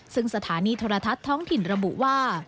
ซึ่งสถานีโทรทัศน์ท้องถิ่นระบุว่า